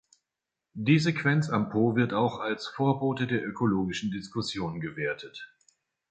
Die Sequenz am Po wird auch als Vorbote der ökologischen Diskussion gewertet.